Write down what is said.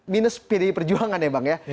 minus pdi perjuangan ya bang ya